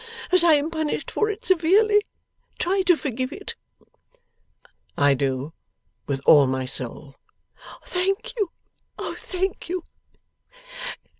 As I am punished for it severely, try to forgive it!' 'I do with all my soul.' 'Thank you. O thank you!